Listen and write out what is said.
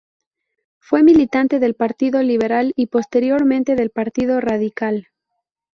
Fue militante del Partido Liberal y posteriormente del Partido Radical.